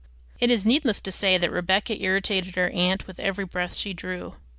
It is needless to say that Rebecca irritated her aunt with every breath she drew.